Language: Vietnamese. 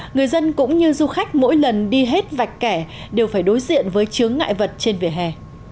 người dân cũng như du khách mỗi lần đi hết vạch kẻ đều phải đối diện với chướng ngại vật trên vỉa hè